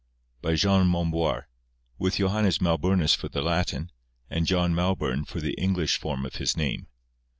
By Jean Momboir, with Johannes Mauburnus for the Latin, and John Mauburn for the English form of his name.